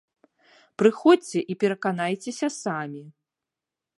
Прыходзьце і пераканайцеся самі!